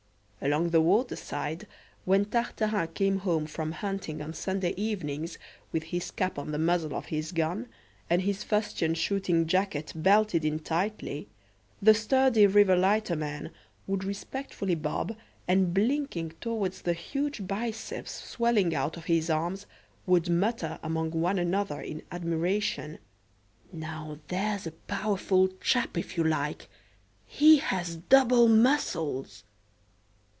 Along the waterside, when Tartarin came home from hunting on Sunday evenings, with his cap on the muzzle of his gun, and his fustian shooting jacket belted in tightly, the sturdy river lightermen would respectfully bob, and blinking towards the huge biceps swelling out his arms, would mutter among one another in admiration: "Now, there's a powerful chap if you like! he has double muscles!"